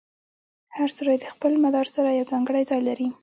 هر ستوری د خپل مدار سره یو ځانګړی ځای لري.